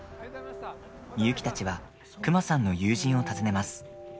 ミユキたちはクマさんの友人を訪ねます。